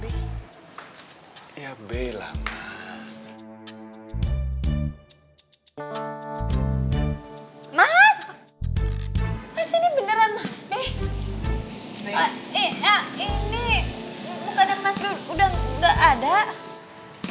bukan yang mas b udah gak ada